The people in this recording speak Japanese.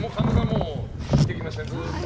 もう見てきましたね、ずっと。